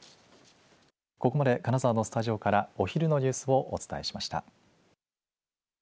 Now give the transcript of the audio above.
ここまで金沢のスタジオからお昼のニュースをお伝えしました。